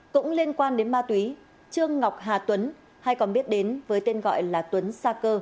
cũng liên quan đến ma túy trương ngọc hà tuấn hay còn biết đến với tên gọi là tuấn sa cơ